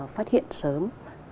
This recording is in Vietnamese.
phát hiện sớm